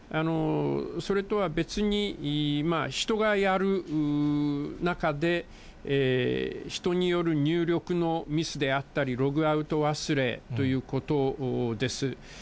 それとは別に、人がやる中で、人による入力のミスであったり、ログアウト忘れということです。